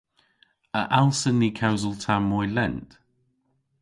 A allsen ni kewsel tamm moy lent?